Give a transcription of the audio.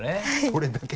それだけ？